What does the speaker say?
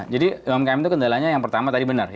jadi umkm itu kendalanya yang pertama tadi benar